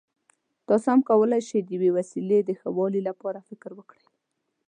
تاسو هم کولای شئ د یوې وسیلې د ښه والي لپاره فکر وکړئ.